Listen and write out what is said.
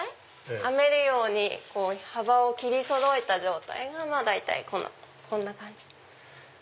編めるように幅を切りそろえた状態が大体こんな感じ。